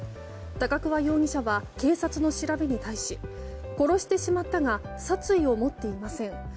高桑容疑者は警察の調べに対し殺してしまったが殺意を持っていません。